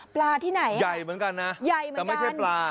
ปลาที่ไหนใหญ่เหมือนกันนะแต่ไม่ใช่ปลา